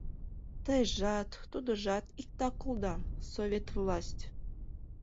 Тыйжат, тудыжат иктак улыда: совет власть.